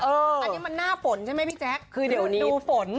อันนี้มันน่าฝนใช่ไหมพี่แจ๊คดูฝน